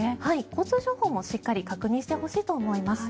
交通情報もしっかり確認してほしいと思います。